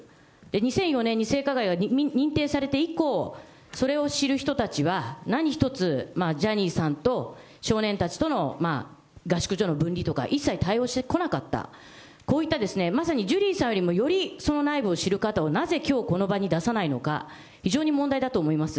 ２００４年に性加害が認定されて以降、それを知る人たちは何ひとつ、ジャニーさんと少年たちとの合宿所の分離とか、一切対応してこなかった、こういったまさにジュリーさんよりも、よりその内部を知る方をなぜきょう、この場に出さないのか、非常に問題だと思います。